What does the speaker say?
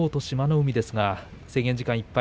海ですが制限時間いっぱい。